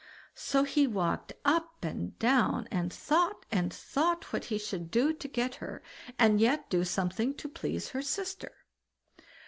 So he walked up and down, and thought and thought what he should do to get her, and yet do something to please her sister.